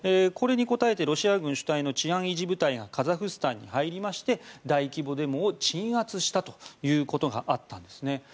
これに応えてロシア軍主体の治安維持部隊がカザフスタンに入りまして大規模デモを鎮圧したということがあったんです。